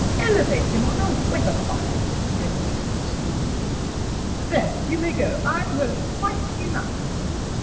"Elevate him on a weathercock!" raged Miss Corny. "There, you may go. I've heard quite enough."